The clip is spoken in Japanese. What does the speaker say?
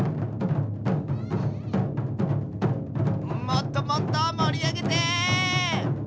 もっともっともりあげて！